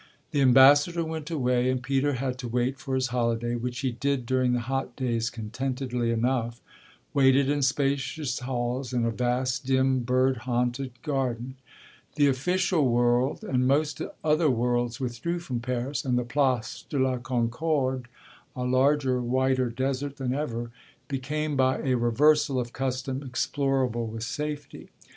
The ambassador went away and Peter had to wait for his own holiday, which he did during the hot days contentedly enough waited in spacious halls and a vast, dim, bird haunted garden. The official world and most other worlds withdrew from Paris, and the Place de la Concorde, a larger, whiter desert than ever, became by a reversal of custom explorable with safety.